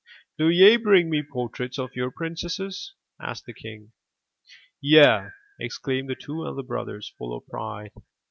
"Do ye bring me portraits of your princesses?" asked the king. "Yea!" exclaimed the two elder brothers, full of pride.